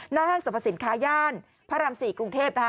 หน้าห้างสรรพสินค้าย่านพระรามศรีกรุงเทพฯ